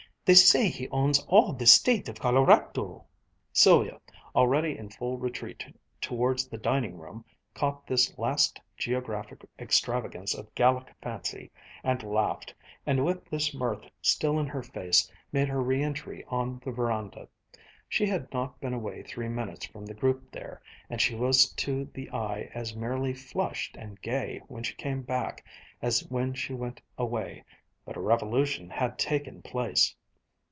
They say he owns all the State of Colorado!" Sylvia, already in full retreat towards the dining room, caught this last geographic extravagance of Gallic fancy, and laughed, and with this mirth still in her face made her re entry on the veranda. She had not been away three minutes from the group there, and she was to the eye as merely flushed and gay when she came back as when she went away; but a revolution had taken place.